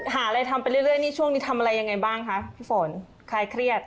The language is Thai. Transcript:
หาอะไรทำไปเรื่อยนี่ช่วงนี้ทำอะไรยังไงบ้างคะพี่ฝนคลายเครียด